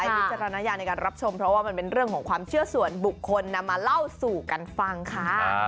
วิจารณญาณในการรับชมเพราะว่ามันเป็นเรื่องของความเชื่อส่วนบุคคลนำมาเล่าสู่กันฟังค่ะ